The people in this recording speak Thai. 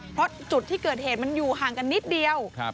เพราะจุดที่เกิดเหตุมันอยู่ห่างกันนิดเดียว